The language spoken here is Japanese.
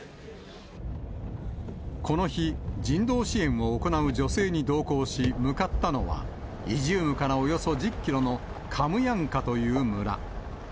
この日、人道支援を行う女性に同行し、向かったのは、イジュームからおよそ１０キロの、カムヤンカという村。